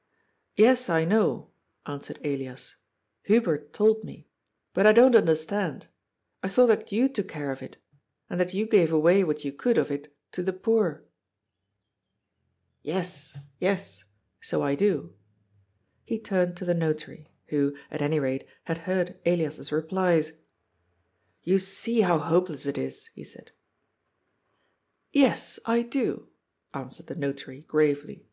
" Yes, I know," answered Elias, " Hubert told me. But I don't understand. I thought that you took care of it. And that you gave away what you could of it to the poor." 420 GOD'S POOL. " Yes, yes ; BO I do.'* He tamed to the Notary, who, at any rate, had heard Elias's replies. *^ Toa see how hopeless it is !" he said. " Yes, I do," answered the Notary gravely.